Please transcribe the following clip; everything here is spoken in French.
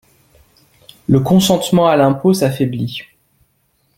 Le consentement à l’impôt s’affaiblit.